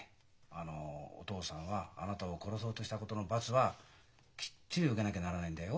あのお父さんはあなたを殺そうとしたことの罰はきっちり受けなきゃならないんだよ。